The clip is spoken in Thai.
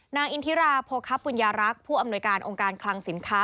นางอินทิราโพคปุญญารักษ์ผู้อำนวยการองค์การคลังสินค้า